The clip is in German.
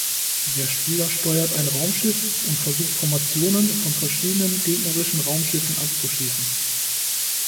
Der Spieler steuert ein Raumschiff und versucht Formationen von verschiedenen gegnerischen Raumschiffen abzuschießen.